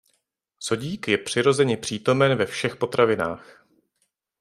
Sodík je přirozeně přítomen ve všech potravinách.